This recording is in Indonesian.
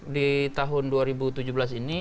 di tahun dua ribu tujuh belas ini